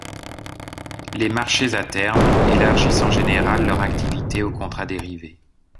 Les marchés à terme élargissent en général leur activité aux contrats dérivés.